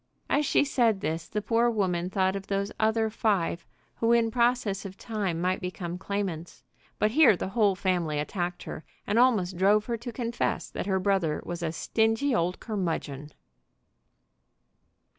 As she said this the poor woman thought of those other five who in process of time might become claimants. But here the whole family attacked her, and almost drove her to confess that her brother was a stingy old curmudgeon.